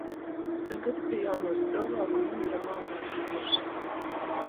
Tagad pi jaunūs cylvāku mūdē malnais humors.